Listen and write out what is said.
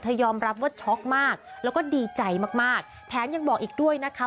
ยอมรับว่าช็อกมากแล้วก็ดีใจมากมากแถมยังบอกอีกด้วยนะคะ